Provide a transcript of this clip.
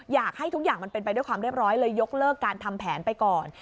อยากให้ทุกอย่างมันเป็นไปด้วยความเรียบร้อยเลยยกเลิกการทำแผนไปก่อน